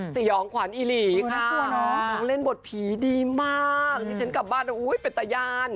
สยองขวัญอีหลีค่ะน้องเล่นบทผีดีมากที่ฉันกลับบ้านอุ้ยเป็นตะยาน